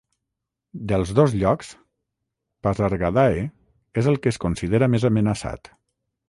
Dels dos llocs, Pasargadae és el que es considera més amenaçat.